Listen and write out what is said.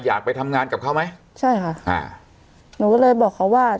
อยากไปทำงานกับเขาไหมใช่ค่ะอ่าหนูก็เลยบอกเขาว่า